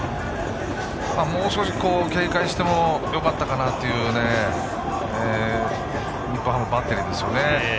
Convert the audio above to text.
もう少し警戒してもよかったかなという日本ハムのバッテリーですよね。